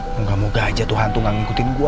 moga moga aja tuhan tuh gak ngikutin gue